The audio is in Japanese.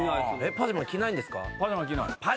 パジャマ着ないんですか